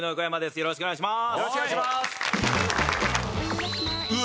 よろしくお願いします！